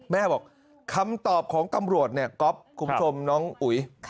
แม่บอกคำตอบของกำรวจคุณผู้ชมน้องอุ๋ย